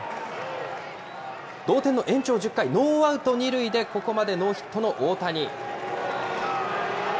同点の延長１０回、ノーアウト２塁で、ここまでノーヒットの大谷。